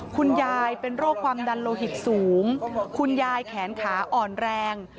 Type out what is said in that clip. คุณยายเป็นโรคความดันโลหิตสูงคุณยายแขนขาอ่อนแรง